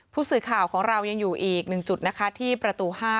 ผู้ศึกข่าวของเรายังอยู่อีกหนึ่งจุดที่ประตูห้า